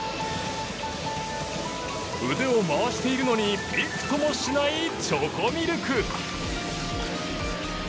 腕を回しているのにびくともしないチョコミルク。